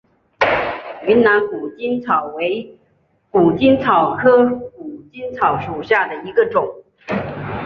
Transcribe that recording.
云南谷精草为谷精草科谷精草属下的一个种。